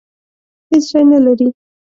هېڅ شی نه لري.